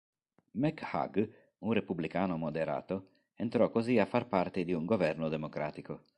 McHugh, un repubblicano moderato, entrò così a far parte di un governo democratico.